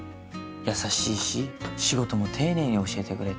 優しいし仕事も丁寧に教えてくれて。